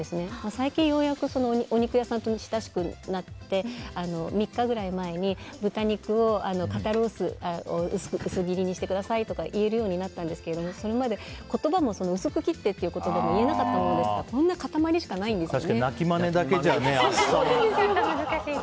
最近、ようやくお肉屋さんとも親しくなって３日くらい前に豚肉を肩ロース薄切りにしてくださいとか言えるようになったんですけどそれまで薄く切ってという言葉も言えなかったものですから確かに鳴きマネだけじゃね。